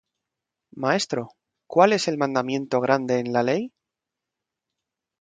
Maestro, ¿cuál es el mandamiento grande en la ley?